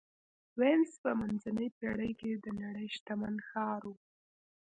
وینز په منځنۍ پېړۍ کې د نړۍ شتمن ښار و